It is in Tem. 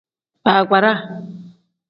Baagbara.